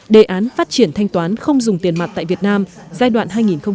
đề án phát triển thanh toán không dùng tiền mặt tại việt nam giai đoạn hai nghìn một mươi sáu hai nghìn hai mươi